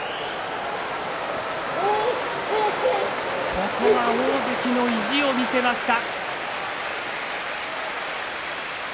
ここは大関の意地を見せました。